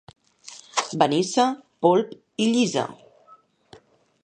Benissa, polp i llisa.